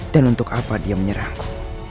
dan untuk apa dia menyerangku